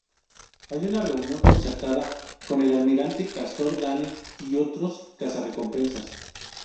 Hay una reunión concertada con el almirante Castor Dane y otros cazarrecompensas.